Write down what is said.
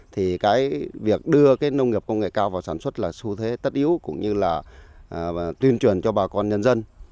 thì cái việc đưa cái nông nghiệp công nghệ cao vào sản xuất là xu thế tất yếu cũng như là tuyên truyền cho bà con nhân dân